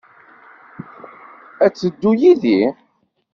Ad d-teddu yid-i?